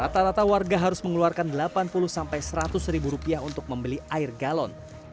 rata rata warga harus mengeluarkan rp delapan puluh seratus untuk membeli air galon